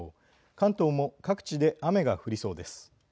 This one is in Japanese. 関東も各地で雨が降りそうです。